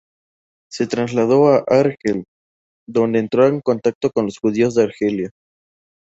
Se trasladó a Argel, donde entró en contacto con los judíos de Argelia.